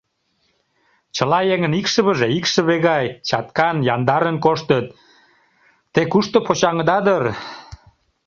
Чыла еҥын икшывыже икшыве гай, чаткан, яндарын коштыт, те кушто почаҥыда дыр?